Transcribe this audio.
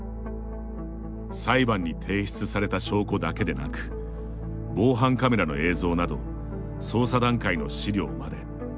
裁判に提出された証拠だけでなく防犯カメラの映像など捜査段階の資料まで。